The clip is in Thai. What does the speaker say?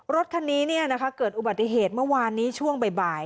รถคันนี้เนี่ยนะคะเกิดอุบัติเหตุเมื่อวานนี้ช่วงบ่ายบ่าย